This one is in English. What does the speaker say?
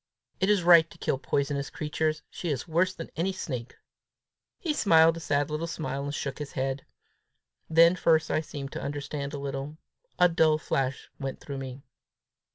It is right to kill poisonous creatures: she is worse than any snake!" He smiled a sad little smile, and shook his head. Then first I seemed to understand a little. A dull flash went through me.